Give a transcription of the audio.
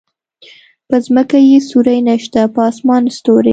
په ځمکه يې سیوری نشته په اسمان ستوری